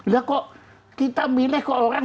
lah kok kita milih ke orang